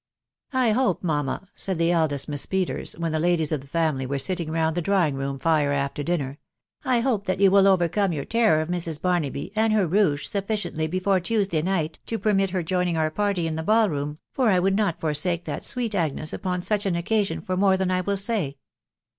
" I hope, aaamma," said the eldest Miss Peters, when the* ladies of the family mtee sitting round .the drawing room fire after dmaer, u I hope that you wiEtwrereame your terror of Mrs. Barnaby and her rouge sufficiently before Tmesday sight to permit her joining our party in the fcall aoom, for I would not forsake that sweet Agnes upon such :an oof&sMn lor more than I will say."